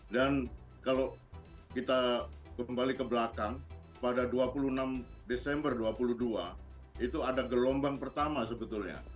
dan kalau kita kembali ke belakang pada dua puluh enam desember dua ribu dua puluh dua itu ada gelombang pertama sebetulnya